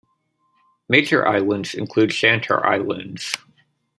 Major islands include Shantar Islands.